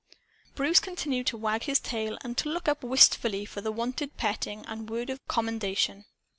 Bruce continued to wag his tail and to look up wistfully for the wonted petting and word of commendation.